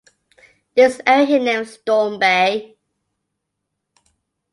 This area he named Storm Bay.